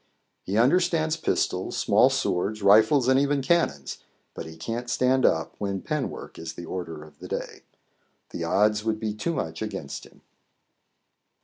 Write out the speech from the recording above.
He understands pistols, small swords, rifles, and even cannons, but he can't stand up when pen work is the order of the day. The odds would be too much against him.